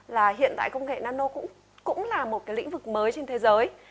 là hiện tại công nghệ nano cũng là một cái lĩnh vực mới trên thế giới